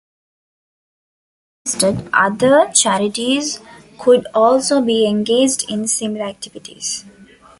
She also suggested other charities could also be engaged in similar activities.